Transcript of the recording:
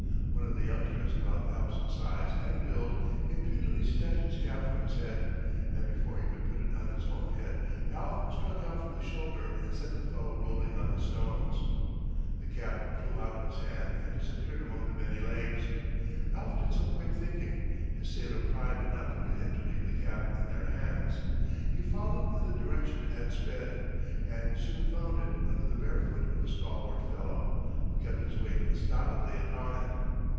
One of the youngsters about Alf's size and build, impudently snatched his cap from his head; and before he could put it on his own head, Alf struck out from the shoulder, and sent the fellow rolling on the stones. The cap flew out of his hand and disappeared among the many legs. Alf did some quick thinking, his sailor pride would not permit him to leave the cap in their hands. He followed in the direction it had sped, and soon found it under the bare foot of a stalwart fellow, who kept his weight stolidly upon it.